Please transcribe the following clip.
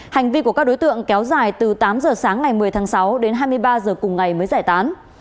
hành vi của các đối tượng kéo dài từ tám giờ sáng ngày một mươi tháng sáu đến hai mươi ba h cùng ngày mới giải tán